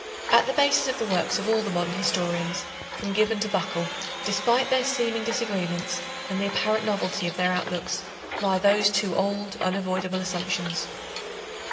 At the basis of the works of all the modern historians from Gibbon to Buckle, despite their seeming disagreements and the apparent novelty of their outlooks, lie those two old, unavoidable assumptions.